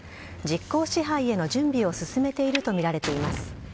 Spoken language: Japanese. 実効支配への準備を進めているとみられています。